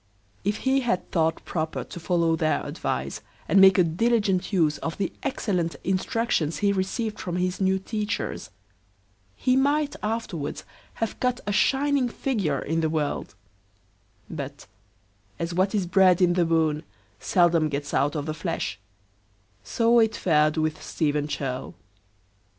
If he had thought proper to follow their advice, and make a diligent use of the excellent instructions he received from his new teachers, he might afterwards have cut a shining figure in the world; but, as what is bred in the bone, seldom gets out of the flesh, so it fared with Stephen Churl.